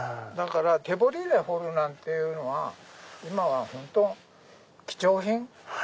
手彫りで彫るなんていうのは今は本当貴重品。